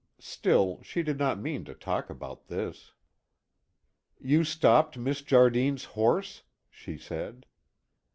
Still she did not mean to talk about this. "You stopped Miss Jardine's horse?" she said.